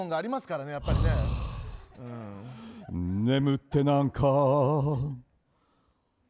眠ってなんか。